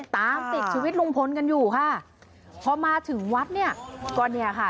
ตามติดชีวิตลุงพลกันอยู่ค่ะพอมาถึงวัดเนี่ยก็เนี่ยค่ะ